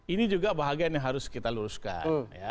ini juga bahagian yang harus kita luruskan